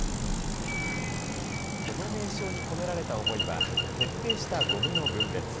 この名称に込められた思いは、徹底したごみの分別。